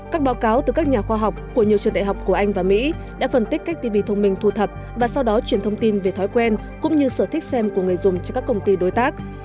các báo cáo từ các nhà khoa học của nhiều trường đại học của anh và mỹ đã phân tích các tivi thông minh thu thập và sau đó truyền thông tin về thói quen cũng như sở thích xem của người dùng cho các công ty đối tác